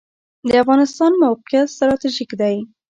د افغانستان موقعیت ستراتیژیک دی